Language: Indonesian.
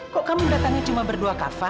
kok kamu datangnya cuma berdua kak fad